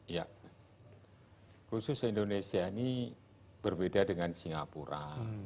ya khusus indonesia ini berbeda dengan singapura